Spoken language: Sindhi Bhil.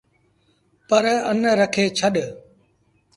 پرآن رکي ڇڏ۔